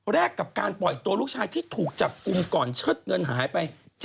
กับการปล่อยตัวลูกชายที่ถูกจับกลุ่มก่อนเชิดเงินหายไป